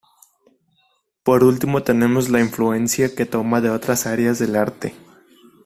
Por último tenemos la influencia que toma de otras áreas del arte.